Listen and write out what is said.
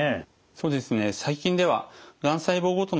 そうですね